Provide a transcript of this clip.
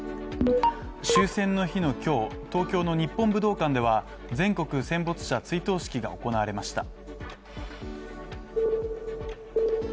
終戦の日の今日、東京の日本武道館では全国戦没者追悼式が行われました。